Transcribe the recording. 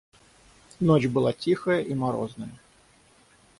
Ночь была тихая и морозная.